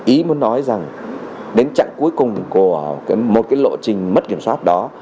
ý muốn nói rằng đến trạng cuối cùng của một lộ trình mất kiểm soát đó